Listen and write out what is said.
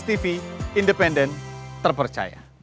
jadi ini independen terpercaya